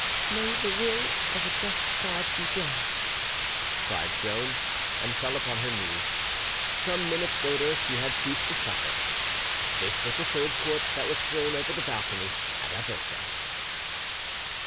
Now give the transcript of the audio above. "May the will of a just God be done!" cried Joan, and fell upon her knees. Some minutes later she had ceased to suffer. This was the third corpse that was thrown over the balcony at Aversa.